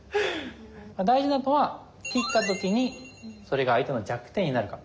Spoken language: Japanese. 大事なのは切った時にそれが相手の弱点になるか。